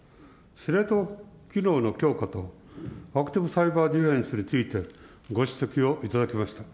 司令塔機能の強化と、アクティブサイバーディフェンスについて、ご指摘をいただきました。